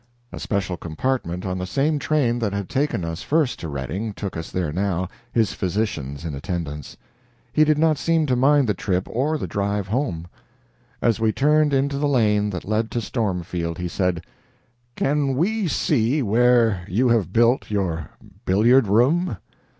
A special compartment on the same train that had taken us first to Redding took us there now, his physicians in attendance. He did not seem to mind the trip or the drive home. As we turned into the lane that led to Stormfield he said: "Can we see where you have built your billiard room?"